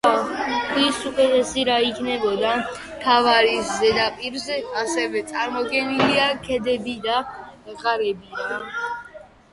მთვარის ზედაპირზე ასევე წარმოდგენილია ქედები და ღარები.